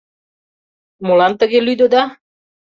— Молан тыге лӱдыда?